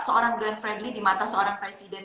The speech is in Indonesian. seorang glenn fredly di mata seorang presiden